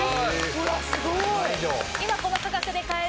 うわっすごい！